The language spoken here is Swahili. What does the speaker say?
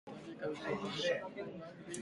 Sukari inayohitajika nivijiko vya chakula mbili